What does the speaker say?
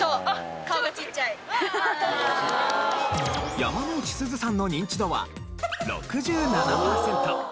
山之内すずさんのニンチドは６７パーセント。